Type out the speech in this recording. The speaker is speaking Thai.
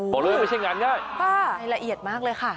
บอกเลยว่าไม่ใช่งานง่ายละเอียดมากเลยค่ะ